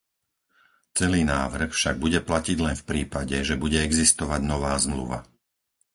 Celý návrh však bude platiť len v prípade, že bude existovať nová zmluva.